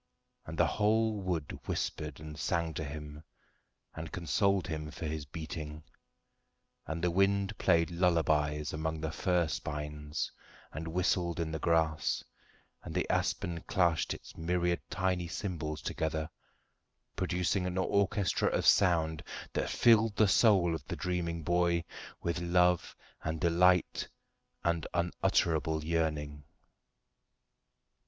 And the whole wood whispered and sang to him and consoled him for his beating, and the wind played lullabies among the fir spines and whistled in the grass, and the aspen clashed its myriad tiny cymbals together, producing an orchestra of sound that filled the soul of the dreaming boy with love and delight and unutterable yearning.